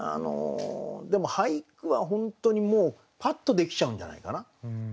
でも俳句は本当にもうパッとできちゃうんじゃないかな。